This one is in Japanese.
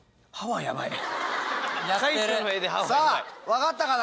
さぁ分かったかな？